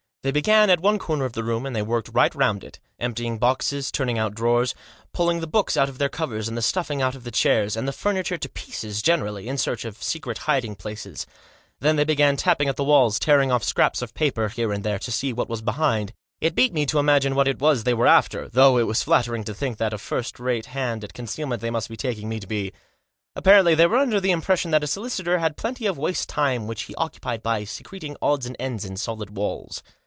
They began at one corner of the room, and they worked right round it, emptying boxes, turning out drawers, pulling the books out of their covers, and the stuffing out of the chairs, and the furniture to pieces generally, in search of secret hiding places. Then they began tapping at the walls, tearing off scraps of paper here and there, to see what was behind. It beat me to imagine what it was that they were after, though it was flattering to think what a first rate hand at concealment they must be taking Digitized by 214 THJS JOSS. me to be. Apparently they were under the impression that a solicitor had plenty of waste time which he occupied by secreting odds and ends in solid walls.